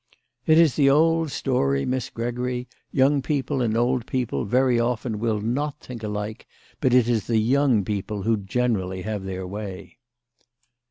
"It is the old story, Miss Gregory. Young people and old people very often will not think alike : but it is the young people who generally have their way."